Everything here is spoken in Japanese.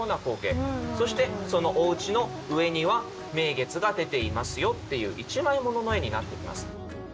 そしてそのおうちの上には名月が出ていますよっていう一枚ものの絵になってきます。